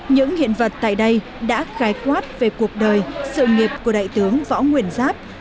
những hiện vật tại đây đã khai quát về cuộc đời sự nghiệp của đại tướng võ nguyễn giáp